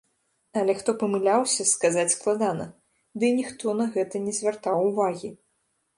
Але хто памыляўся, сказаць складана, дый ніхто на гэта не звяртаў увагі.